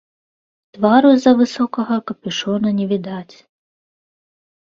Твару з-за высокага капюшона не відаць.